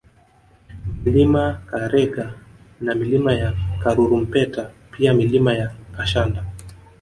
Mlima Karenga na Milima ya Karurumpeta pia Milima ya Kashanda